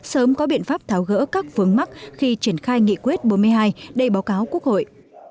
sớm có biện pháp tháo gỡ các vướng mắt khi triển khai nghị quyết bốn mươi hai đầy báo cáo quốc hội